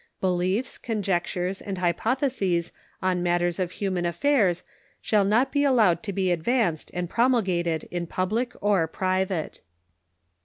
Beliefs, conjectures and liypotheses on matters of human affairs shall not be allowed to be advanced and promulgated in public or private.